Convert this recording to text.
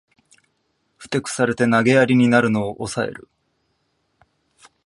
ふてくされて投げやりになるのをおさえる